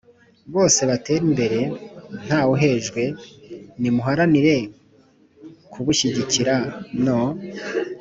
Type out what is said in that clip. bose batere imbere ntawuhejwe. Nimuharanire kubushyigikira no